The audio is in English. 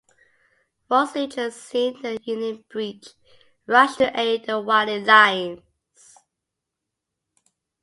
Waul's Legion, seeing the Union breach, rushed to aid the waning lines.